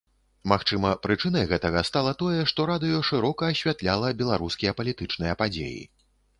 Магчыма, прычынай гэтага стала тое, што радыё шырока асвятляла беларускія палітычныя падзеі.